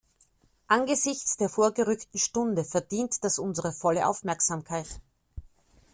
Angesichts der vorgerückten Stunde verdient das unsere volle Aufmerksamkeit.